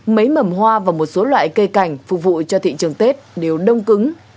mấy mầm hoa và một số loại cây cảnh phục vụ cho thị trường tết đều đông cứng